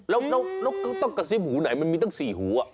แล้วต้องกระซิบหูไหนมันมีตั้ง๔หู